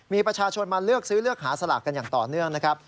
มีประชาชนมาเลือกซื้อเลือกหาสลากกันอย่างต่อเนื่องนะครับ